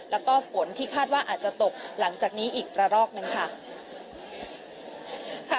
แล้วก็ฝนที่คาดว่าอาจจะตกหลังจากนี้อีกระรอกหนึ่งค่ะ